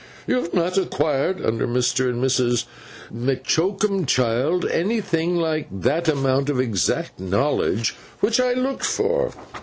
You have not acquired, under Mr. and Mrs. M'Choakumchild, anything like that amount of exact knowledge which I looked for.